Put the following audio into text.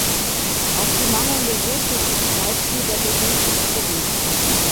Auch die mangelnde Seetüchtigkeit fiel dadurch nicht ins Gewicht.